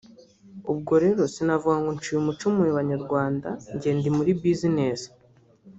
ubwo rero sinavuga ngo nciye umuco mu banyarwanda njyewe ndi muri business